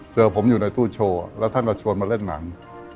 เจอผมอยู่ในตู้โชว์แล้วท่านมาชวนมาเล่นหนัง